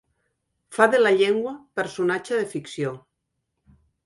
Fa de la llengua personatge de ficció.